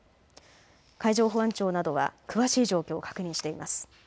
海上保安庁などは詳しい状況を確認しています。